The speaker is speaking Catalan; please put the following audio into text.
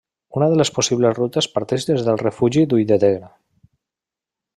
Una de les possibles rutes parteix des del refugi d'Ulldeter.